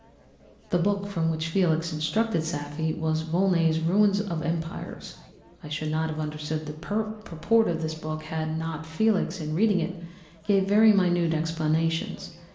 "The book from which Felix instructed Safie was Volney's Ruins of Empires. I should not have understood the purport of this book had not Felix, in reading it, given very minute explanations.